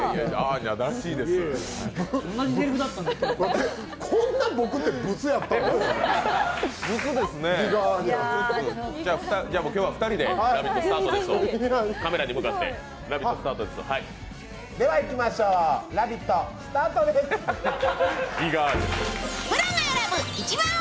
じゃあ今日は２人で「ラヴィット！」スタートを。